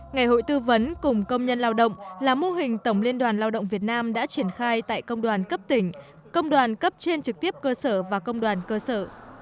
ngày hội tư vấn cùng công nhân lao động là mô hình tổng liên đoàn lao động việt nam đã triển khai tại công đoàn cấp tỉnh công đoàn cấp trên trực tiếp cơ sở và công đoàn cơ sở